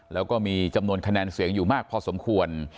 แล้วก็มีจำนวนคะแนนเสียงอยู่มากพอสมควร